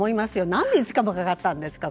何で５日もかかったんですか